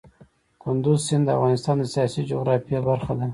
کندز سیند د افغانستان د سیاسي جغرافیه برخه ده.